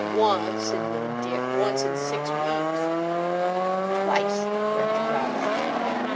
"Once," admitted Dick—"once in six weeks." "Twice," corrected Robin.